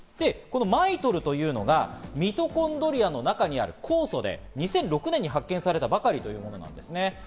ＭＩＴＯＬというのがミトコンドリアの中にある酵素で２００６年に発見されたばかりなんですね。